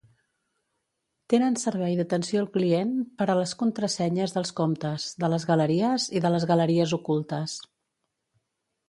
Tenen servei d'atenció al client per a les contrasenyes dels comptes, de les galeries i de les galeries ocultes.